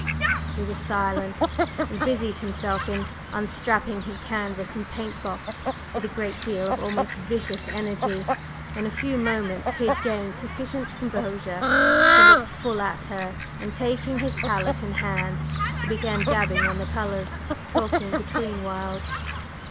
He was silent, and busied himself in unstrapping his canvas and paint box with a great deal of almost vicious energy. In a few moments he had gained sufficient composure to look full at her, and taking his palette in hand, he began dabbing on the colors, talking between whiles.